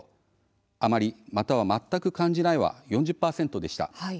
あまり、または全く感じないは４０％でした。